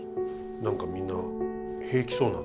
何かみんな平気そうなんです。